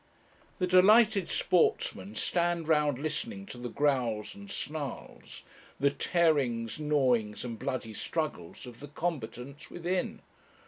The delighted sportsmen stand round listening to the growls and snarls, the tearings, gnawings, and bloody struggles of the combatants within.